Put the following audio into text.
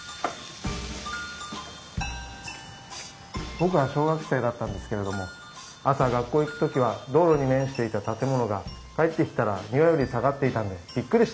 僕は小学生だったんですけれども朝学校行く時は道路に面していた建物が帰ってきたら庭より下がっていたんでびっくりしたんですよ。